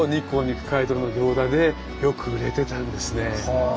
はあ。